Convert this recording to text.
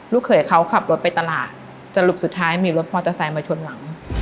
เขยเขาขับรถไปตลาดสรุปสุดท้ายมีรถมอเตอร์ไซค์มาชนหลัง